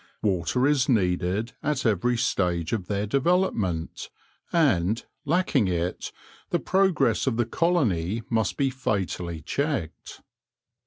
Water is needed at every stage of their development, and, lack ing it, the progress of the colony must be fatally checked.